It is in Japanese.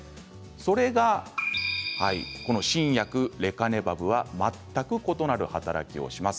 それがこの新薬レカネマブは全く異なる働きをします。